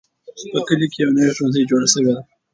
په کلي کې یو نوی ښوونځی جوړ شوی دی.